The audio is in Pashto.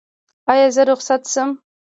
ایا زه رخصت شم؟